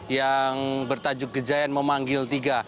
yang bertajuk gejayan memanggil tiga